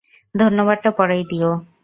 ধন্যবাদটা পরেই দিও।